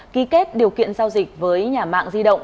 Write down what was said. ký kết điều kiện giao dịch với nhà mạng di động